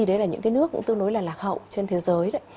đấy là những cái nước cũng tương đối là lạc hậu trên thế giới